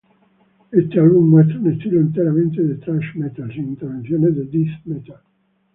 Este álbum muestra un estilo enteramente de thrash metal, sin intervenciones de death metal.